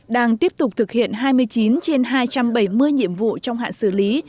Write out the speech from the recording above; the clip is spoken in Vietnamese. đang tiếp tục thực hiện hai mươi chín trên hai trăm bảy mươi nhiệm vụ trong hạn xử lý